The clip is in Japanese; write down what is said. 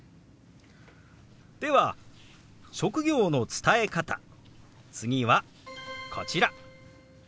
では職業の伝え方次はこちら。